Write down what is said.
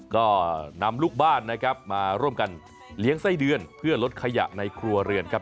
ก็นำลูกบ้านนะครับมาร่วมกันเลี้ยงไส้เดือนเพื่อลดขยะในครัวเรือนครับ